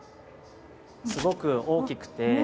すごく大きくて。